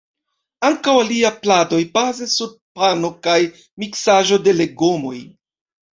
Ankaŭ aliaj pladoj baze sur pano kaj miksaĵo de legomoj.